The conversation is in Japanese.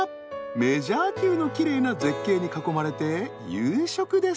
メジャー級のきれいな絶景に囲まれて夕食です。